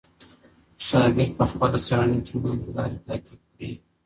شاګرد په خپله څېړنه کي نوې لارې تعقیب کړي.